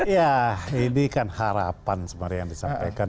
ya ini kan harapan sebenarnya yang disampaikan